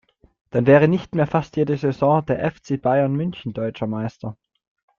Dann wäre nicht mehr fast jede Saison der FC Bayern München deutscher Meister.